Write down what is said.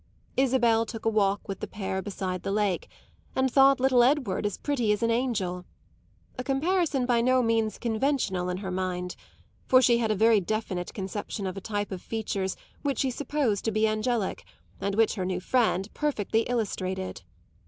Isabel took a walk with the pair beside the lake and thought little Edward as pretty as an angel a comparison by no means conventional in her mind, for she had a very definite conception of a type of features which she supposed to be angelic and which her new friend perfectly illustrated.